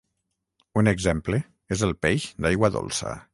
Un exemple és el peix d’aigua dolça.